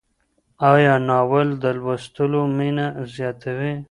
آیا ناول د لوستلو مینه زیاتوي؟